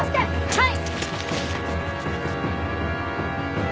はい！